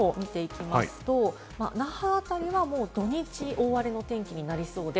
週間予報を見ていきますと、那覇あたりは土日、大荒れの天気になりそうで、